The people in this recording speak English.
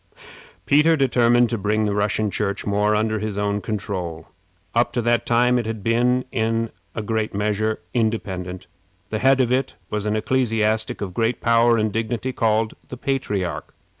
Peter determined to bring the Russian Church more under his own control. Up to that time it had been, in a great measure, independent. The head of it was an ecclesiastic of great power and dignity, called the Patriarch.